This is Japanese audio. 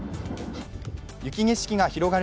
雪景色が広がる